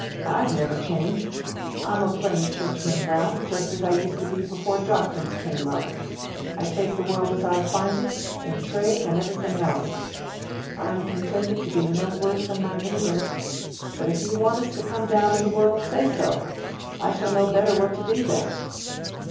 I've never changed; I'm a plain Churchman now, just as I used to be before doctrines came up. I take the world as I find it, in trade and everything else. I'm contented to be no worse than my neighbors. But if you want us to come down in the world, say so. I shall know better what to do then."